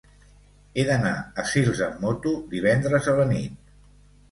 He d'anar a Sils amb moto divendres a la nit.